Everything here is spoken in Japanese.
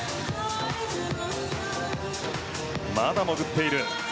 まだ潜っている。